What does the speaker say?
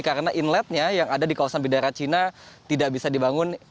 karena inletnya yang ada di kawasan bidara cina tidak bisa dibangun